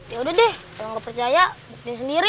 yaudah deh kalo gak percaya buktiin sendiri